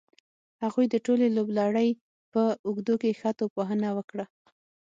هغوی د ټولې لوبلړۍ په اوږدو کې ښه توپ وهنه وکړه.